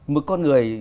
một con người